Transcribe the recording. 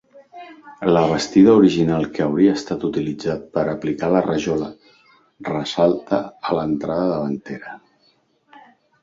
La bastida original que hauria estat utilitzat per aplicar la rajola ressalta a l'entrada davantera.